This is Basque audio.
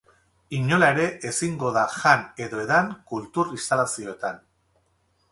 Inola ere ezingo da jan edo edan kultur-instalazioetan.